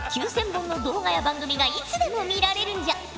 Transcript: ９，０００本の動画や番組がいつでも見られるんじゃ。